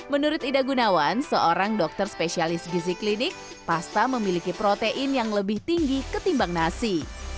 menurut ida gunawan seorang dokter spesialis gizi klinik pasta memiliki protein yang lebih tinggi ketimbang nasi